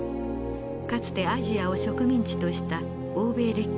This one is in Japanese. かつてアジアを植民地とした欧米列強の軍隊です。